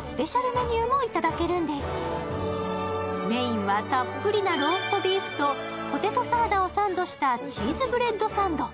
メインはたっぷりなローストビーフとメインはたっぷりなローストビーフとポテトサラダをサンドしたチーズブレッドサンド。